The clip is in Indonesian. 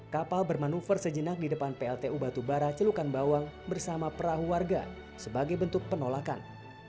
kapal bermanuver sejenak di depan pltu batubara celukan bawang bersama perahu warga sebagai bentuk penolakan